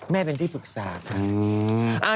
แม่เป็นที่ปรึกษาค่ะ